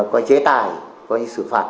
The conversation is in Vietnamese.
coi chế tài coi như xử phạt